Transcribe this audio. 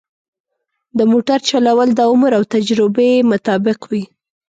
د موټر چلول د عمر او تجربه مطابق وي.